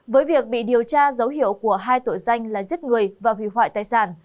với việc bị điều tra dấu hiệu của hai tội danh là giết người và hủy hoại tài sản